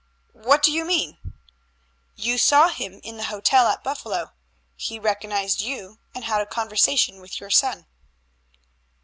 "What do you mean?" "You saw him in the hotel at Buffalo. He recognized you, and had a conversation with your son."